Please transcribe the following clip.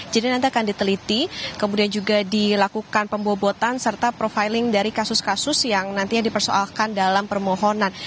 nanti akan diteliti kemudian juga dilakukan pembobotan serta profiling dari kasus kasus yang nantinya dipersoalkan dalam permohonan